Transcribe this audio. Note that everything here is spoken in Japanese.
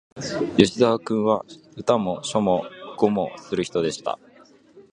吉沢君は、歌も書も碁もする人でした